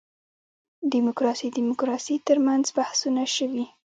دیموکراسي دیموکراسي تر منځ بحثونه شوي.